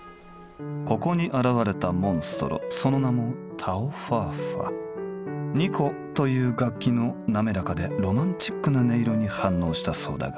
ここに現れたモンストロその名も「二胡」という楽器の滑らかでロマンチックな音色に反応したそうだが。